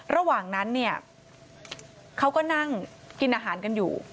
ระหว่างนั้นเนี่ยเขาก็นั่งกินอาหารกันอยู่